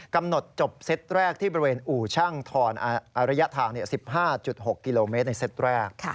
กำหนดจบเซตแรกที่บริเวณอู่ช่างทรระยะทาง๑๕๖กิโลเมตรในเซตแรก